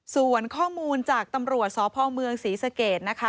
ส่วนข้อมูลจากตำรวจสพเมืองศรีสเกตนะคะ